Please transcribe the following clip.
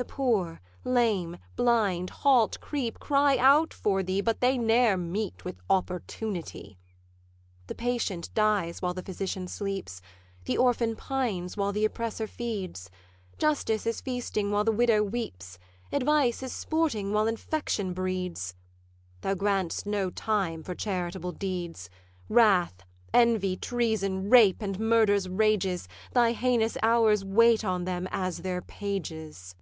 The poor, lame, blind, halt, creep, cry out for thee; But they ne'er meet with Opportunity. 'The patient dies while the physician sleeps; The orphan pines while the oppressor feeds; Justice is feasting while the widow weeps; Advice is sporting while infection breeds: Thou grant'st no time for charitable deeds: Wrath, envy, treason, rape, and murder's rages, Thy heinous hours wait on them as their pages.